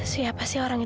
tidak ada apa apa